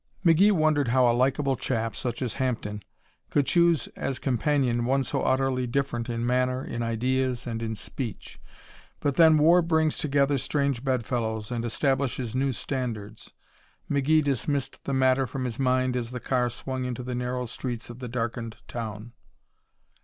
McGee wondered how a likeable chap, such as Hampden, could choose as companion one so utterly different in manner, in ideas, and in speech. But then, war brings together strange bedfellows and establishes new standards. McGee dismissed the matter from his mind as the car swung into the narrow streets of the darkened town.